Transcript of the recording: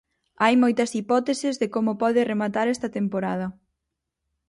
Hai moitas hipóteses de como pode rematar esta temporada.